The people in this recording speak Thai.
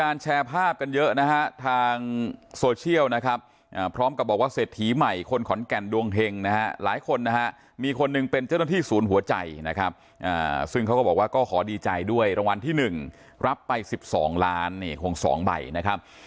รางวัลที่๑รับไป๑๒ล้านที่๑๒ใหม่นะคะ